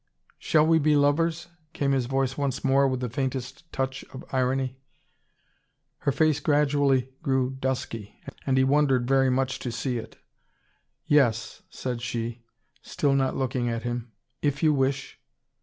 "Shall we be lovers?" came his voice once more, with the faintest touch of irony. Her face gradually grew dusky. And he wondered very much to see it. "Yes," said she, still not looking at him. "If you wish."